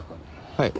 はい。